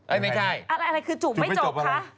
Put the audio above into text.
อะไรคือจูบไม่จบ